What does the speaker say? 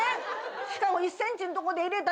しかも１センチのとこで入れたら。